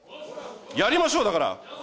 やりましょう、だから。